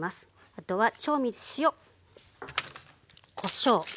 あとは調味塩こしょう。